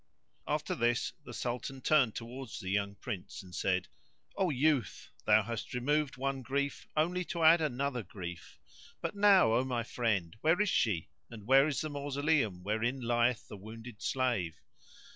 After this the Sultan turned towards the young Prince and said, "O youth, thou hast removed one grief only to add another grief; but now, O my friend, where is she; and where is the mausoleum wherein lieth the wounded slave?"